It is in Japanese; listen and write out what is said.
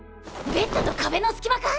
ベッドと壁の隙間か！？